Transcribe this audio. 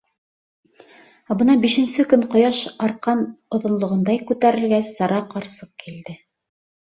Ә бына бишенсе көн ҡояш арҡан оҙонлоғондай күтәрелгәс Сара ҡарсыҡ килде.